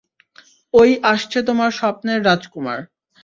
ওই আসছে তোমার স্বপ্নের রাজকুমার।